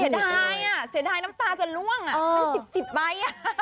เสียดายอ่ะเสียดายน้ำตาจะล่วงอ่ะมันสิบไปอ่ะ